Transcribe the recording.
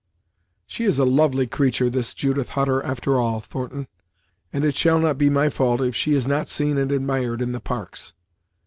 "She is a lovely creature, this Judith Hutter, after all, Thornton; and it shall not be my fault if she is not seen and admired in the Parks!"